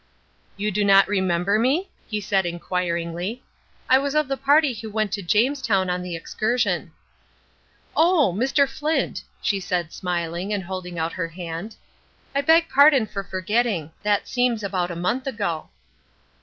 "You do not remember me?" he said, inquiringly. "I was of the party who went to Jamestown on the excursion." "Oh, Mr. Flint," she said, smiling, and holding out her hand. "I beg pardon for forgetting; that seems about a month ago."